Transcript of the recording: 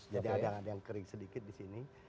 jadi ada yang kering sedikit di sini